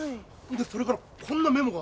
でそれからこんなメモが！